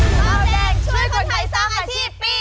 เบาแดงช่วยคนไทยสร้างอาชีพปี๒